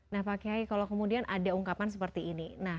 nah pak kiai kalau kemudian ada ungkapan seperti ini